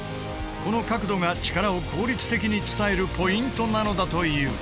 この角度が力を効率的に伝えるポイントなのだという。